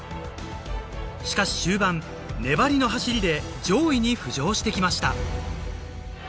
しかし終盤粘りの走りで上位に浮上してきました